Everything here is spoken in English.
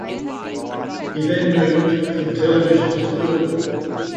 He then moved from television to film.